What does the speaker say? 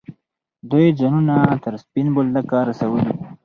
دوی ځانونه تر سپین بولدکه رسولي.